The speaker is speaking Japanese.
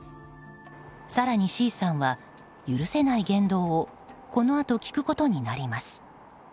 更に、Ｃさんは許せない言動をこのあと聞くことになります。